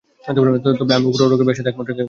তবে আমি উপরে রকি ভাইয়ের সাথে একমত রেখে বলছি।